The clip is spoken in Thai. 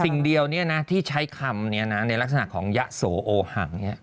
สิ่งเดียวที่ใช้คำนี้นะในลักษณะของยะโสโอหัง